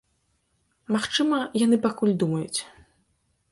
Магчыма, яны пакуль думаюць.